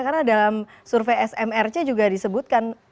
karena dalam survei smrc juga disebutkan